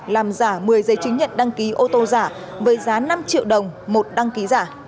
làm giả một mươi giấy chứng nhận đăng ký ô tô giả với giá năm triệu đồng một đăng ký giả